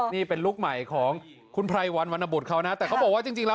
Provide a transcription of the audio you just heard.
นี่เป็นลูกใหม่ของคุณไพรวันวรรณบุตรเขานะแต่เขาบอกว่าจริงแล้ว